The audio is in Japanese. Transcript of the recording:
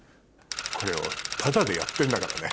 これをタダでやってんだからね。